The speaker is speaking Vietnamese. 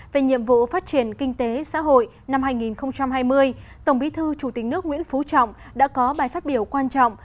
về nhiệm vụ phát triển kinh tế xã hội năm hai nghìn hai mươi tổng bí thư chủ tịch nước nguyễn phú trọng đã có bài phát biểu quan trọng